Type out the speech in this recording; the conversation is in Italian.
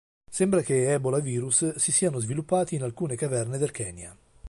Sembra che ebolavirus si siano sviluppati in alcune caverne del Kenya..